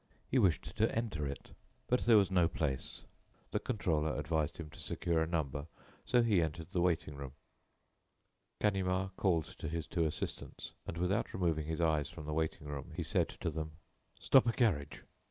He wished to enter it, but there was no place. The controller advised him to secure a number, so he entered the waiting room. Ganimard called to his two assistants, and, without removing his eyes from the waiting room, he said to them: "Stop a carriage....